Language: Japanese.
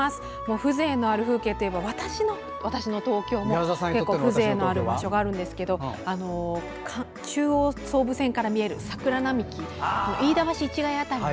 風情のある風景といえば私の東京も風情のある場所があるんですけど中央総武線から見える桜並木、飯田橋、市谷あたりの。